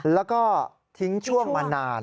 แล้วก็ทิ้งช่วงมานาน